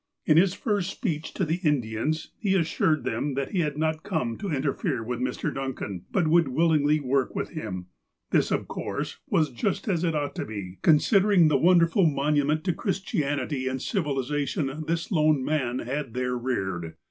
In his first speech to the Indians he assured them that he had not come to interfere with Mr. Duncan ; but would willingly work with him. This, of course, wasjustasit ought to be, considering the wonderful monument to 250 TEOUBLES BREWING 251 Christianity and civilization this lone man had there reared.